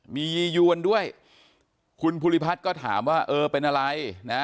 มียียวนด้วยคุณภูริพัฒน์ก็ถามว่าเออเป็นอะไรนะ